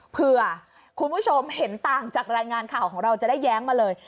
เพื่อคุณผู้ชมเห็นต่างจากรายงานข่าวของเราจะได้แย้งมาเลย